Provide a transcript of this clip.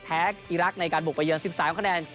แท๊กอีรักษณ์ในการบุกไปเยือน๑๓คะแนน